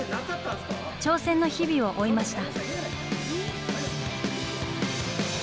挑戦の日々を追いました。